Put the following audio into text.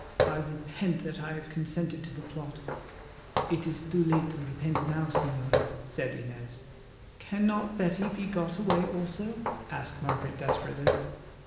I repent that I have consented to the plot." "It is too late to repent now, Señora," said Inez. "Cannot Betty be got away also?" asked Margaret desperately.